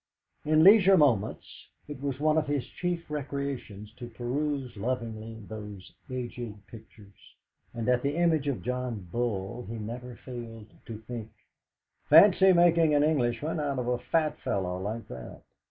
In leisure moments it was one of his chief recreations to peruse lovingly those aged pictures, and at the image of John Bull he never failed to think: 'Fancy making an Englishman out a fat fellow like that!'